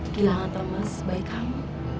bilang atau emas baik kamu